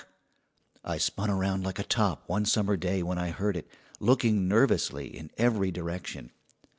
] I spun around like a top, one summer day when I heard it, looking nervously in every direction.